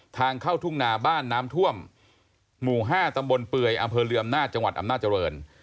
ทางเข้าทุ่งนาบ้านน้ำท่วมหมู่๕ตำบลเปื่อยอำเภอเรืออำนาจจังหวัดอำนาจริง